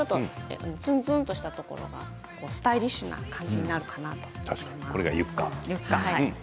つんつんとしたところがスタイリッシュな感じになるかなと思います。